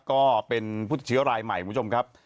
ก็เป็นผู้เชื้อรายใหม่คุณผู้ชมครับ